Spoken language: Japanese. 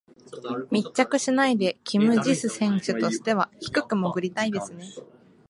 密着しないでキム・ジス選手としては低く潜りたいですね。